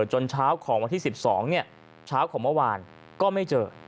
จนเช้าของวันที่๑๒เช้าของเมื่อวานก็ไม่เจอ